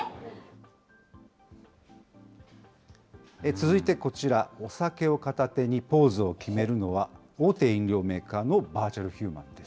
続いてこちら、お酒を片手にポーズを決めるのは、大手飲料メーカーのバーチャルヒューマンです。